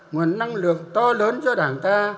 nguồn năng lượng to lớn cho đảng ta